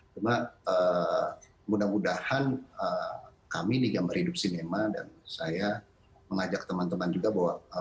cuma mudah mudahan kami yang meridup sinema dan saya mengajak teman teman juga bahwa